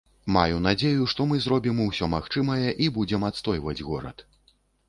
Маю надзею, што мы зробім усё магчымае і будзем адстойваць горад.